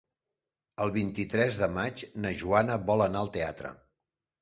El vint-i-tres de maig na Joana vol anar al teatre.